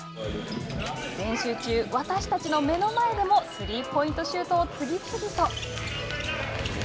練習中私たちの目の前でもスリーポイントシュートを次々と。